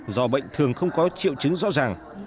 do bệnh thường không có triệu chứng rõ ràng